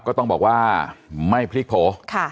ก็ต้องบอกว่าไม่พลิกโผล่